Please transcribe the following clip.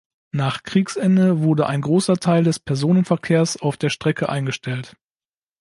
Nach Kriegsende wurde ein großer Teil des Personenverkehrs auf der Strecke eingestellt.